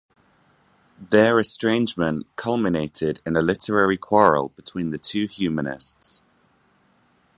Their estrangement culminated in a literary quarrel between the two humanists.